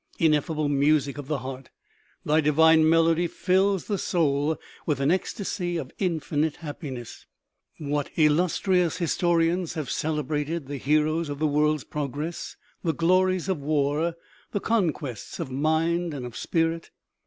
Ineffable music of the heart, thy divine melody fill the soul with an ecstasy of infinite happiness ! What illustrious historians have celebrated the heroes of the world's progress, the glories of war, the conquests of mind and of spirit